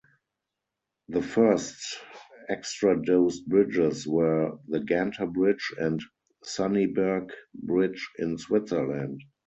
The first extradosed bridges were the Ganter Bridge and Sunniberg Bridge in Switzerland.